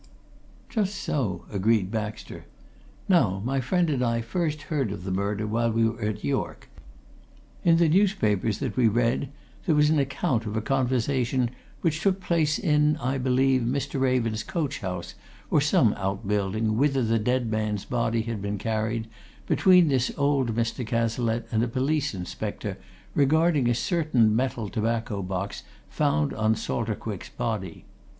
"Just so," agreed Baxter. "Now, my friend and I first heard of the murder while we were at York. In the newspapers that we read, there was an account of a conversation which took place in, I believe, Mr. Raven's coach house, or some out building, whither the dead man's body had been carried, between this old Mr. Cazalette and a police inspector, regarding a certain metal tobacco box found on Salter Quick's body.